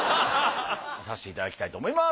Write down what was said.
見させていただきたいと思います。